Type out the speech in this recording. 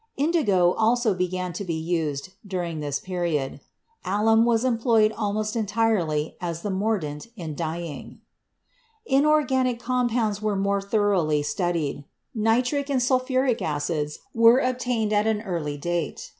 Indigo also began to be used during this period. Alum was employed almost en tirely as the mordant in dyeing. Inorganic Compounds were more thoroughly studied. Nitric and sulphuric acids were obtained at an early date.